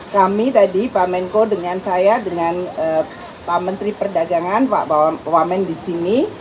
kami tadi pak menko dengan saya dengan pak menteri perdagangan pak wamen di sini